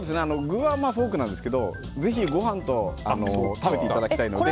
具はフォークなんですけどぜひ、ご飯と食べていただきたいので。